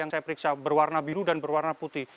yang saya periksa berwarna biru dan berwarna putih